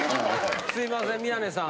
すいません宮根さん